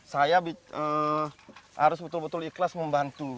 saya harus betul betul ikhlas membantu